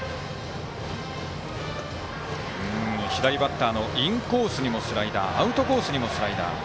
左バッターのインコースにもスライダーアウトコースにもスライダー。